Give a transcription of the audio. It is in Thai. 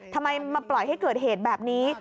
ทำไมมาปล่อยให้เกิดเหตุแบบนี้